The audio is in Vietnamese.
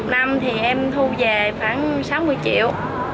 năm thì em thu về khoảng sáu mươi triệu